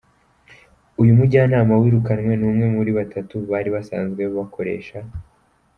Uyu mujyanama wirukanwe ni umwe muri batatu bari basanzwe bakoresha.